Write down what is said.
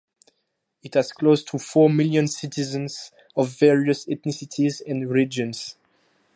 It has close to four million citizens of various ethnicities and religions.